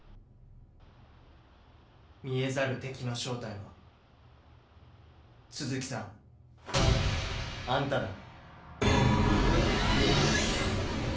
「見えざる敵」の正体は都築さんあんただ。